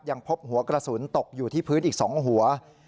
ยังพบหัวกระสุนตกอยู่ที่พื้นอีก๒หัว